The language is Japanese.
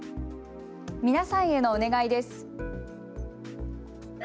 皆さんへのお願いです。